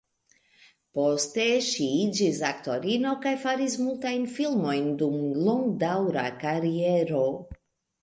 Poste ŝi iĝis aktorino kaj faris multajn filmojn dum longdaŭra kariero.